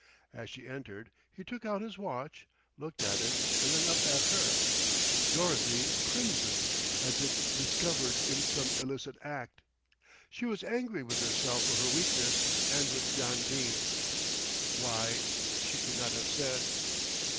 As she entered he took out his watch, looked at it and then up at her. Dorothy crimsoned as if discovered in some illicit act. She was angry with herself for her weakness and with John Dene why, she could not have said.